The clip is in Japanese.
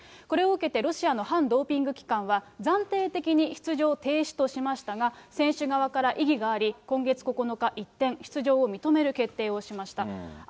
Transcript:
これを受けてロシアの反ドーピング機関は、暫定的に出場停止としましたが、選手側から意義があり、今月９日、一転、出場を認める決定をしました。